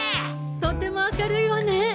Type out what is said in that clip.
とても明るいわね。